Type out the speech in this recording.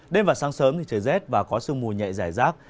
đêm và sáng sớm thì trời rét và có sương mù nhẹ giải rác